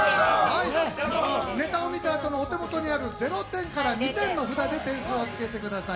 ネタを見たあとお手元にある０点から２点の札で点数をつけてください。